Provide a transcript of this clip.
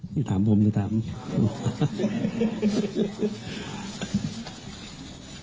นี่ถามผมหรือถามนี้